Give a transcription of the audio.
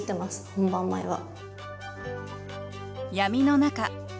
本番前は。